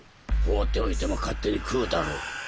放っておいても勝手に食うだろ。